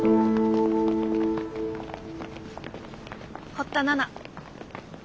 堀田奈々。